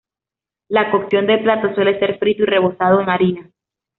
La cocción del plato suele ser frito y rebozado en harina.